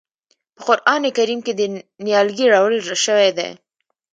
په قرآن کریم کې نیالګی راوړل شوی دی.